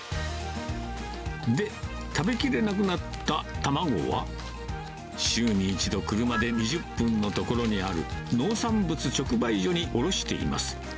で、食べきれなくなった卵は、週に１度、車で２０分の所にある、農産物直売所に卸しています。